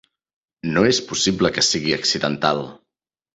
No és possible que sigui accidental.